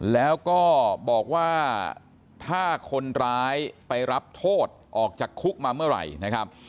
แล้วก็บอกว่าถ้าคนร้ายไปรับโทษออกจากคุกมาเมื่อไหร่นะครับ